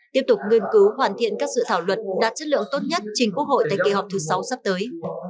tiếp tục nghiên cứu hoàn thiện các dự thảo luật đạt chất lượng tốt nhất trình quốc hội tại kỳ họp thứ sáu sắp tới